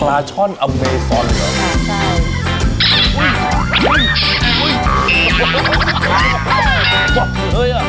ปลาช่อนอเมซอนเหรอใช่